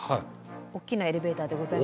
大きなエレベーターでございます。